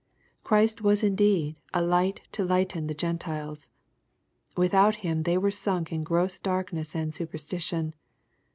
Christ was indeed " a light to lighten the Gentiles/' Without Him they were sunk in gross darkness and superstition.